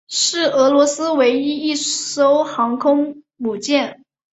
是俄罗斯唯一一艘航空母舰。